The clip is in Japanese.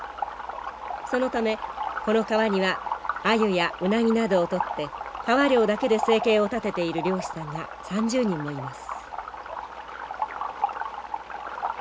そのためこの川にはアユやウナギなどを取って川漁だけで生計を立てている漁師さんが３０人もいます。